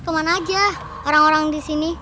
kemana aja orang orang di sini